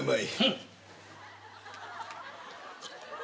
はい。